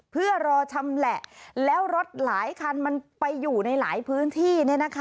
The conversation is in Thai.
เพื่อรอชำแหละแล้วรถหลายคันมันไปอยู่ในหลายพื้นที่